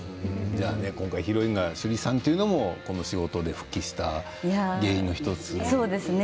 今回、ヒロインが趣里さんというのもこの仕事で復帰した原因の１つですか。